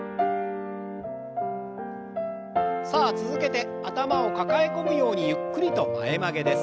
さあ続けて頭を抱え込むようにゆっくりと前曲げです。